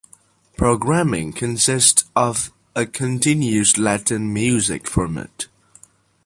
Programming consists of a continuous Latin music format.